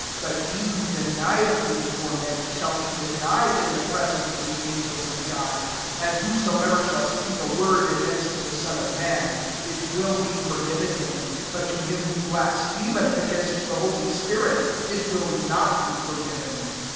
9 But he who denieth me before men, shall be denied in the presence of the angels of God. 10 And whosoever shall speak a word against the Son of man, it will be forgiven him ; but to him who [blasphemeth] against tlie holy spirit, it will not be for given.